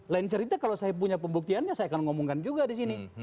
lain cerita kalau saya punya pembuktiannya saya akan ngomongkan juga di sini